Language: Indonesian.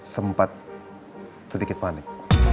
sempat sedikit panik